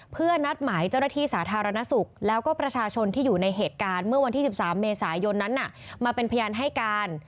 เพื่อนัดหมายเจ้าหน้าที่สาธารณสุขแล้วก็ประชาชนที่อยู่ในเหตุการณ์เมื่อวันที่๑๓เมษายนนั้นมาเป็นพยานให้การ